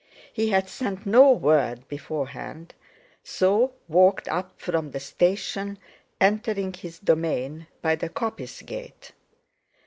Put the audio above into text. He had sent no word beforehand, so walked up from the station, entering his domain by the coppice gate.